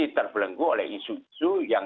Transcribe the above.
terbelenggu oleh isu isu yang